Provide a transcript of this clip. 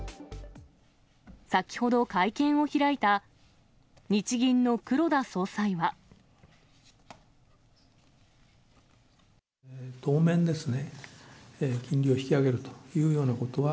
先ほど会見を開いた、日銀の黒田総裁は。